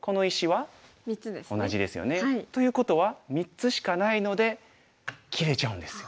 同じですよね。ということは３つしかないので切れちゃうんですよ。